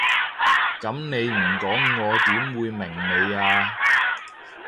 噉你唔講我點會明你啊？